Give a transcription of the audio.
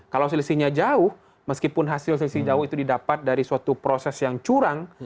kalau selisihnya jauh meskipun hasil selisih jauh itu didapat dari suatu proses yang curang